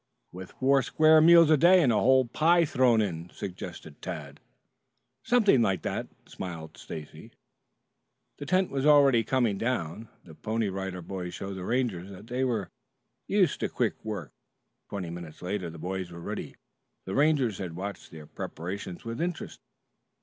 "With four square meals a day and a whole pie thrown in," suggested Tad. "Something like that," smiled Stacy. The tent was already coming down. The Pony Rider Boys showed the Rangers that they were used to quick work. Twenty minutes later the boys were ready. The Rangers had watched their preparations with interest.